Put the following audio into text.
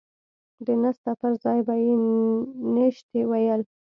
د نسته پر ځاى به يې نيشتې ويل.